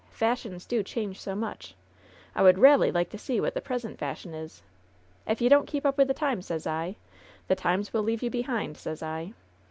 Fashions do change so much, I would ralely like to see what the present fashion is! Ef you don't keep up with the times, sez I, the times will leave you behind, sez I